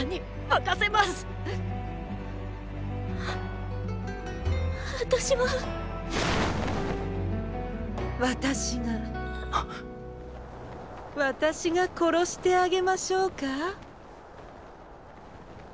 私が私が殺してあげましょうか？